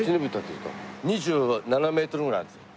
２７メートルぐらいあるんですよ。